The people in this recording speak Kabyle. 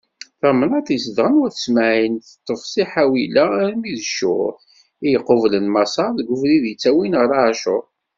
Tamnaṭ i zedɣen wat Ismaɛil, teṭṭef si Ḥawila armi d Cur, i yequblen Maṣer, deg ubrid ittawin ɣer Acur.